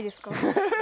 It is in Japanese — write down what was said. ハハハハ！